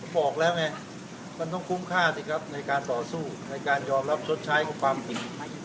บอกแล้วไงมันต้องคุ้มค่าสิครับในการต่อสู้ในการยอมรับชดใช้กับความผิด